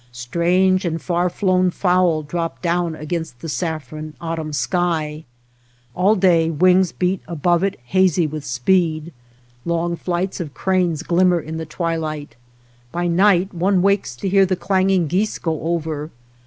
Strange and far flown fowl drop down against the saffron, autumn sky. All day wings beat above it hazy with speed ; long flights of cranes glimmer in the twilight. By night one wakes to hear the clanging geese go over.